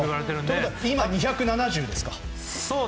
ということは今２７０ですね。